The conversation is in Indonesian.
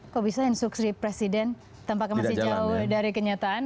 kok bisa instruksi presiden tampaknya masih jauh dari kenyataan